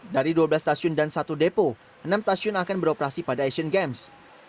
dari dua belas stasiun dan satu depo enam stasiun akan beroperasi pada asian games